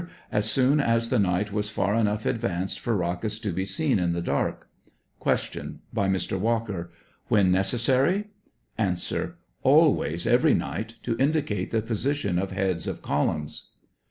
As soon as the night was far enough advanced for rockets to be seen in the dark. Q, By Mr. Walker. When necessary ? A. Always every night, to indicate the position of heads of columns.